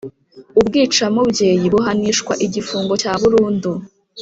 Ubwicamubyeyi buhanishwa igifungo cya burundi